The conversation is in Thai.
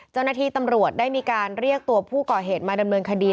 เจ้าหน้าที่ตำรวจได้มีการเรียกตัวผู้ก่อเหตุมาดำเนินคดี